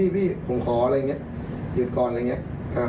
พี่ผมขออะไรอย่างนี้หยุดก่อนอะไรอย่างนี้